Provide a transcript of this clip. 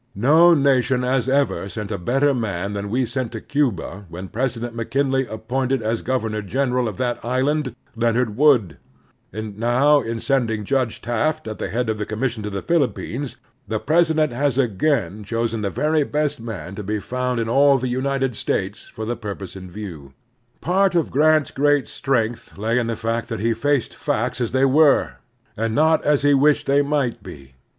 No nation has ever sent a better man than we sent to Cuba when President McKinley appointed as governor general of that island Leonard Wood ; and now, in sending Judge Taft at the head of the commission to the Philippines, the President has again chosen the very best man to be found in all the United States for the purpose in view. Part of Grant's great strength lay in the fact that he faced facts as they were, and not as he wished they might be.